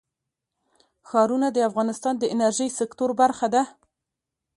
ښارونه د افغانستان د انرژۍ سکتور برخه ده.